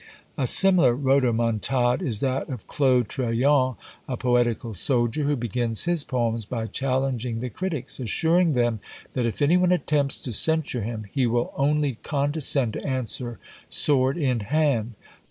A similar rhodomontade is that of Claude Trellon, a poetical soldier, who begins his poems by challenging the critics, assuring them that if any one attempts to censure him, he will only condescend to answer sword in hand.